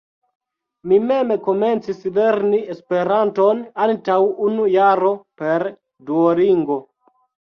Mi mem komencis lerni Esperanton antaŭ unu jaro per Duolingo.